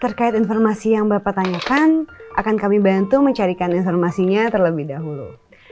terkait informasi yang bapak tanyakan akan kami bantu mencarikan informasinya terlebih dahulu